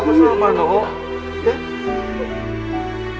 tidak masalah nong